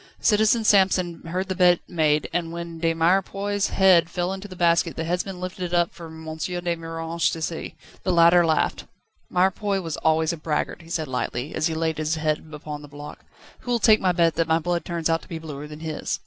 Citizen Samson heard the bet made, and when De Mirepoix's head fell into the basket, the headsman lifted it up for M. de Miranges to see. The latter laughed. "Mirepoix was always a braggart," he said lightly, as he laid his head upon the block. "Who'll take my bet that my blood turns out to be bluer than his?"